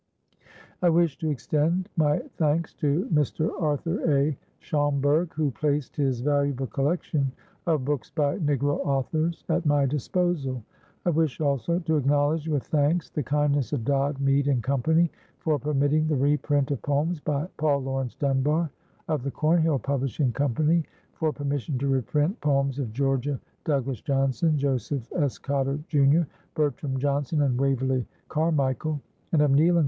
I wish to extend my thanks to Mr. Arthur A. Schomburg, who placed his valuable collection of books by Negro authors at my disposal. I wish also to acknowledge with thanks the kindness of Dodd, Mead & Co. for permitting the reprint of poems by Paul Laurence Dunbar; of the Cornhill Publishing Company for permission to reprint poems of Georgia Douglas Johnson, Joseph S. Cotter, Jr., Bertram Johnson and Waverley Carmichael; and of Neale & Co.